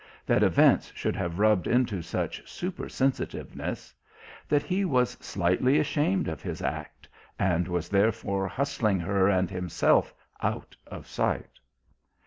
that events should have rubbed into such super sensitiveness that he was slightly ashamed of his act, and was therefore hustling her and himself out of sight.